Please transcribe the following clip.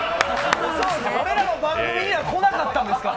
俺らの番組には来なかったですから。